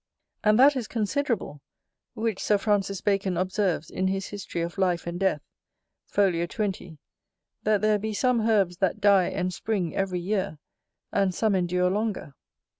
And that is considerable, which Sir Francis Bacon observes in his History of Life and Death, fol. 20, that there be some herbs that die and spring every year, and some endure longer.